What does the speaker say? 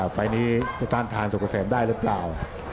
แต่ไฟนี้จะต้านทานสุกเกษียณได้หรือเปล่า